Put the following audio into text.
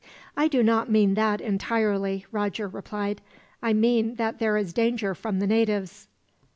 "I do not mean that, entirely," Roger replied. "I mean that there is danger from the natives."